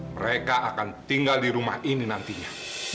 mereka akan tinggal di rumah ini nantinya